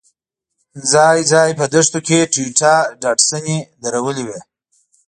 ځای ځای په دښتو کې ټویوټا ډاډسنې درولې وې.